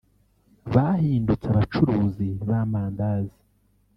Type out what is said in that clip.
bahindutse abacuruzi b’amandazi